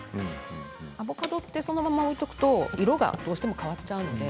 アボカドはそのまま置いておくと色がどうしても変わっちゃうので。